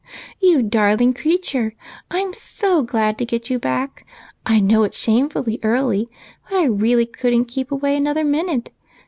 "You darling creature, I'm so glad to get you back! I know it's shamefully early, but I really couldn't keep away another minute.